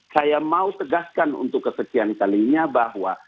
saya mau tegaskan untuk kesekian kalinya bahwa